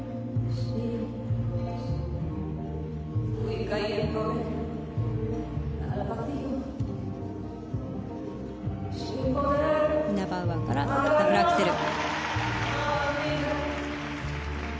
イナバウアーからダブルアクセル。